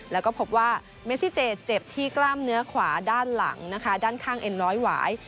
แล้วก็พบว่าเมซิเจเจ็บที่กล้ามเนื้อขวาด้านหลังนะคะด้านข้างเอ็นร้อยหวาย